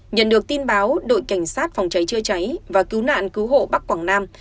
nhận được tin báo đội cảnh sát phòng cháy chữa cháy và cứu nạn cứu hộ bắc quảng nam